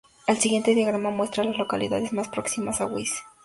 El siguiente diagrama muestra a las localidades más próximas a Wise.